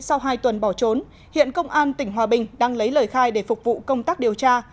sau hai tuần bỏ trốn hiện công an tỉnh hòa bình đang lấy lời khai để phục vụ công tác điều tra